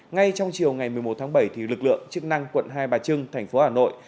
ngay trong chiều ngày một mươi một tháng bảy lực lượng chức năng quận hai bà trưng thành phố hà nội